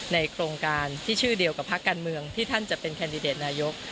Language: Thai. โครงการที่ชื่อเดียวกับภาคการเมืองที่ท่านจะเป็นแคนดิเดตนายก